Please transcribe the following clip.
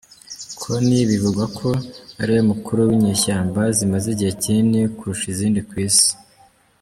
Kony bivugwa ko ariwe mukuru w’inyeshyamba zimaze igihe kinini kurusha izindi ku Isi.